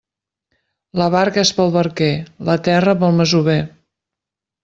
La barca és pel barquer; la terra, pel masover.